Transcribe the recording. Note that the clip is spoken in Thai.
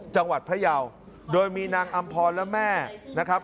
จังหวัดพระยาวโดยมีนางอำพรและแม่นะครับ